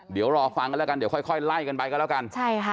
เดี๋ยวรอฟังกันและกันค่อยไล่กันไปกันแล้วกัน